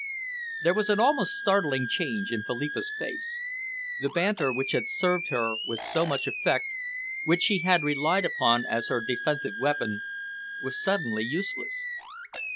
There was an almost startling change in Philippa's face. The banter which had served her with so much effect, which she had relied upon as her defensive weapon, was suddenly useless.